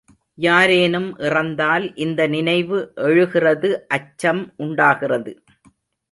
யாரேனும் இறந்தால் இந்த நினைவு எழுகிறது அச்சம் உண்டாகிறது.